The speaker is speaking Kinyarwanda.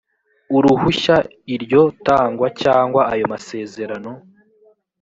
uruhushya iryo tangwa cyangwa ayo masezerano